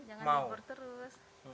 jangan libur terus